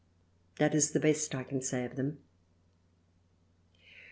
This is the best I can say of them.